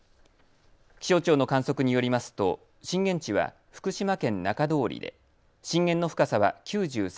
気象庁の観測によりますと震源地は福島県中通りで震源の深さは９３ｋｍ。